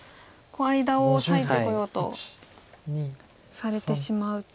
間を裂いてこようとされてしまうと。